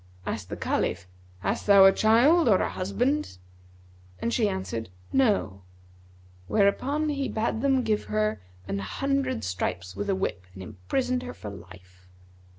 Asked the Caliph 'Hast thou a child or a husband?'; and she answered 'No;' whereupon he bade them give her an hundred stripes with a whip and imprisoned her for life.